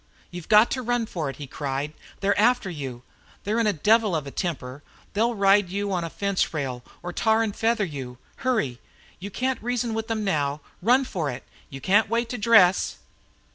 "You've got to run for it!" he cried. "They're after you; they're in a devil of a temper. They'll ride you on a fence rail, or tar and feather you. Hurry! You can't reason with them now. Run for it. You can't wait to dress."